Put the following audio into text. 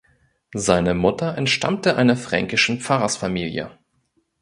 Seine Mutter entstammte einer fränkischen Pfarrersfamilie.